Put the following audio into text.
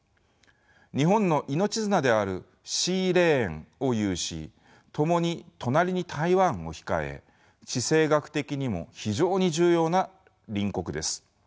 日本の命綱であるシーレーンを有しともに隣に台湾を控え地政学的にも非常に重要な隣国です。